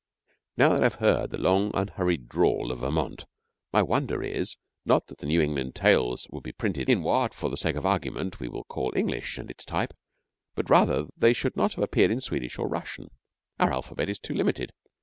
Now that I have heard the long, unhurried drawl of Vermont, my wonder is, not that the New England tales should be printed in what, for the sake of argument, we will call English and its type, but rather that they should not have appeared in Swedish or Russian. Our alphabet is too limited.